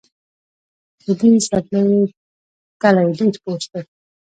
د دې څپلۍ تلی ډېر پوست دی